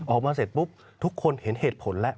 ออกมาเสร็จปุ๊บทุกคนเห็นเหตุผลแล้ว